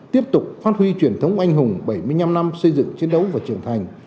tiếp tục phát huy truyền thống anh hùng bảy mươi năm năm xây dựng chiến đấu và trưởng thành